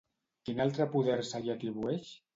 Quin altre poder se li atribueix?